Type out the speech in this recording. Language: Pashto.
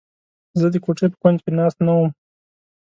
زه د کوټې په کونج کې ناست نه وم.